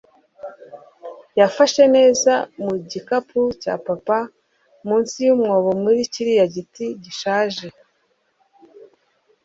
yafashwe neza mu gikapo cya papa, munsi yumwobo muri kiriya giti gishaje